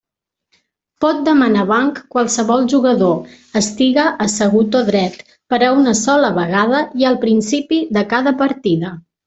Pot demanar banc qualsevol jugador, estiga assegut o dret, per a una sola vegada i al principi de cada partida.